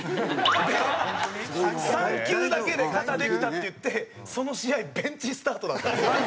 で３球だけで「肩できた」って言ってその試合ベンチスタートだったんですよ。